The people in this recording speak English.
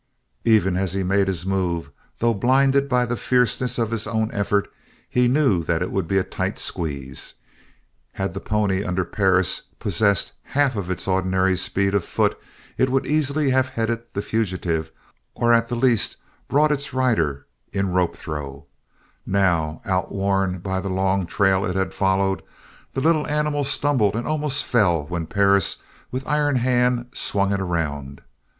Even as he made the move, though blinded by the fierceness of his own effort, he knew that it would be a tight squeeze. Had the pony under Perris possessed half of its ordinary speed of foot it would easily have headed the fugitive or at the least brought its rider in rope throw, now, outworn by the long trail it had followed, the little animal stumbled and almost fell when Perris with iron hand swung it around.